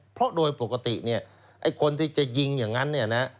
เพราะโดยปกติคนที่จะยิงอย่างนั้น